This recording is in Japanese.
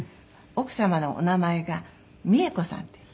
奥様のお名前が美恵子さんっていう。